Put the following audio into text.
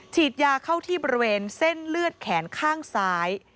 ฉีดยาเข้าที่บริเวณเส้นเลือดแขนข้างซ้าย